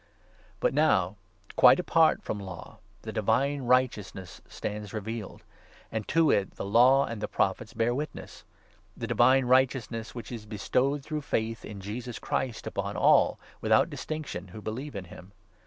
But now, quite apart from Law, the 21 Divine Righteousness stands revealed, and to it the Law and the Prophets bear witness — the Divine Righteousness which 22 is bestowed, through faith in Jesus Christ, upon all, without distinction, who believe in him.